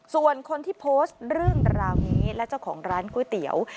ส่วนคนที่โพสต์เรื่องราวนี้และเจ้าของร้านก๋วยเตี๋ยว